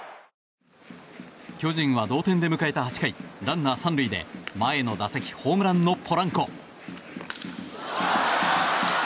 巨人は同点で迎えた８回ランナー３塁で前の打席ホームランのポランコ。